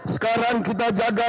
sekarang kita jaga